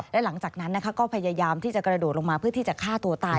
และหลังจากนั้นก็พยายามที่จะกระโดดลงมาเพื่อที่จะฆ่าตัวตาย